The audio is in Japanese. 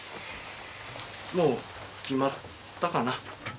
もう決まったかな？